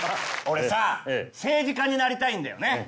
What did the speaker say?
俺さ政治家になりたいんだよね